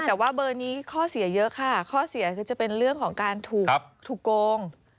แต่ว่าเบอร์นี้ข้อเสียเยอะค่ะข้อเสียคือจะเป็นเรื่องของการถูกโกง